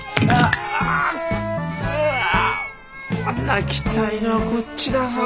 泣きたいのはこっちだぞ。